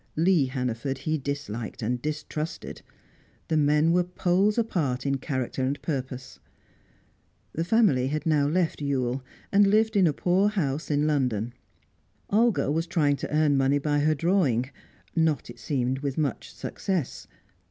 Lee Hannaford he disliked and distrusted; the men were poles apart in character and purpose. The family had now left Ewell, and lived in a poor house in London. Olga was trying to earn money by her drawing, not, it seemed, with much success.